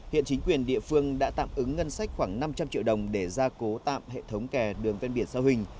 hiện chính quyền địa phương đã tạm ứng ngân sách khoảng năm trăm linh triệu đồng để ra cố tạm hệ thống kè đường ven biển sao hình